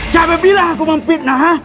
jangan bilang aku mempitnah